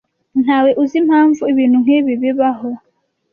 Ntawe uzi impamvu ibintu nkibi bibaho.